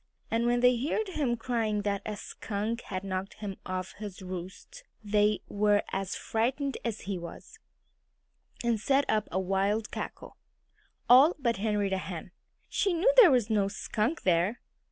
And when they heard him crying that a skunk had knocked him off his roost they were as frightened as he was, and set up a wild cackle. All but Henrietta Hen! She knew there was no skunk there.